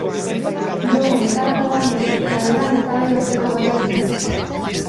Blog honetarako baino tabernan eztabaidatzeko gaia dirudi.